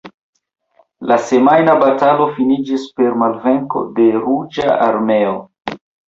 La semajna batalo finiĝis per malvenko de Ruĝa Armeo.